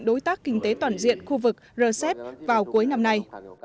đối tác kinh tế toàn diện khu vực rcep vào cuối năm nay